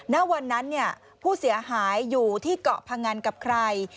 ณวันนั้นผู้เสียหายอยู่ที่เกาะพงันกับใคร